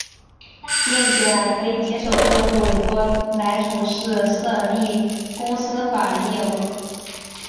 并且还可接受客户委托来从事设立公司法人业务。